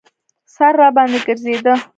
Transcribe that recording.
سر راباندې ګرځېده.